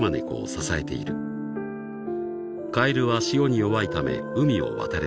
［カエルは潮に弱いため海を渡れない］